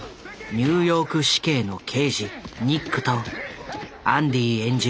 ニューヨーク市警の刑事ニックとアンディ演じる